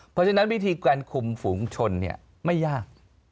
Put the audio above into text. เพราะฉะนั้นวิธีการคุมฝูงชนไม่ยาก